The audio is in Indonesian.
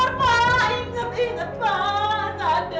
ku tak ngajarin kamu